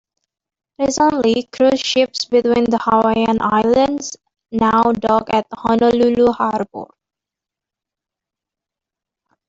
Recently, cruise ships between the Hawaiian Islands now dock at Honolulu Harbor.